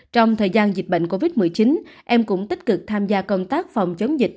trong thời gian dịch bệnh covid một mươi chín em cũng tích cực tham gia công tác phòng chống dịch